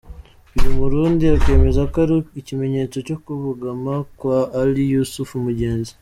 Uyu Murundi akemeza ko ari ikimenyetso cyo kubogama kwa Ally Yusuf Mugenzi.